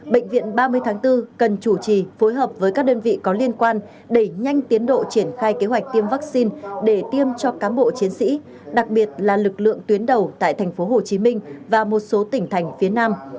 bệnh viện ba mươi tháng bốn cần chủ trì phối hợp với các đơn vị có liên quan đẩy nhanh tiến độ triển khai kế hoạch tiêm vaccine để tiêm cho cám bộ chiến sĩ đặc biệt là lực lượng tuyến đầu tại tp hcm và một số tỉnh thành phía nam